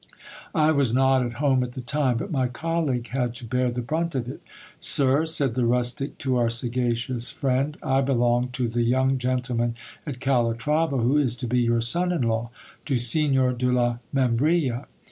I was not at home at the time, but my colleague had to bear the brunt of it. Sir, said the rustic to our sagacious friend, I belong to the young gentleman at Calatrava who is to be your son in law — to Signor de la Membrilla.